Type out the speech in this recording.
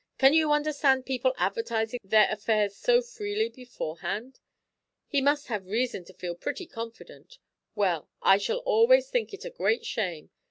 "Can you understand people advertising their affairs so freely beforehand? He must have had reason to feel pretty confident. Well, I shall always think it a great shame.